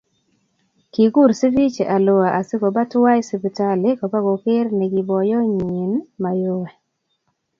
Kikur Sifichi alua asikoba tuwai sipitali koba koker nekiboiyonyi mayowe